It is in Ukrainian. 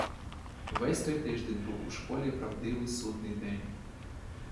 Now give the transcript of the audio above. Весь той тиждень був у школі правдивий судний день.